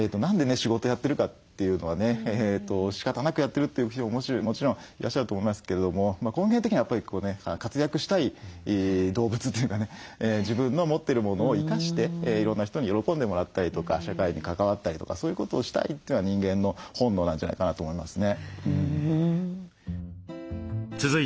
仕事やってるかというのはねしかたなくやってるって人ももちろんいらっしゃると思いますけれども根源的にはやっぱり活躍したい動物というかね自分の持ってるものを生かしていろんな人に喜んでもらったりとか社会に関わったりとかそういうことをしたいというのは人間の本能なんじゃないかなと思いますね。